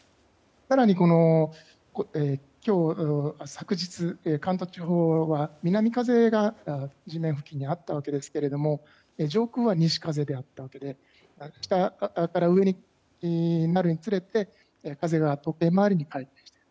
更に、昨日関東地方は南風が地面付近にはありましたが上空は西風であったわけで上になるにつれて風が時計回りに帰ってくる。